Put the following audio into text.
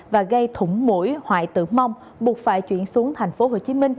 và gây thủng mũi hoại tử vong buộc phải chuyển xuống tp hcm